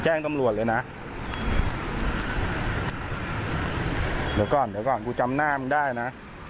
แจ้งกำลัวเลยนะเดี๋ยวก่อนกูจำหน้ามันได้นะ